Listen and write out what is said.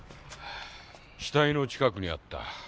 死体の近くにあった。